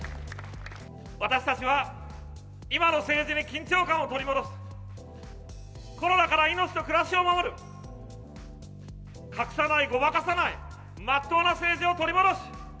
私たちは今の政治に緊張感を取り戻す、コロナから命と暮らしを守る、隠さない、ごまかさない、まっと